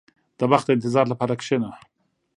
• د بخت د انتظار لپاره کښېنه.